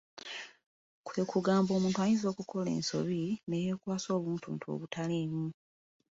Kwe kugamba omuntu ayinza okukola ensobi naye neyeekwasa obuntuntu obutaliimu !